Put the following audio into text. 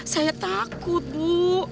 saya takut bu